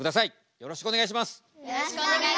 よろしくお願いします。